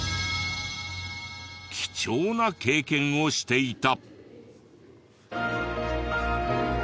貴重な経験をしていた。